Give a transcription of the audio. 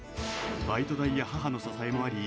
バイト代や母の支えもあり